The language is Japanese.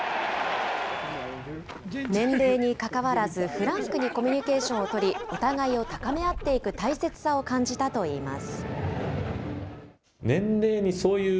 年齢にかかわらず、フランクにコミュニケーションを取り、お互いを高め合っていく大切さを感じたといいます。